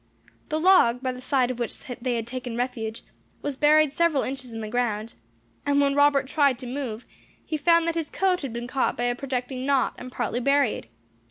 The log by the side of which they had taken refuge, was buried several inches in the ground; and when Robert tried to move, he found that his coat had been caught by a projecting knot, and partly buried.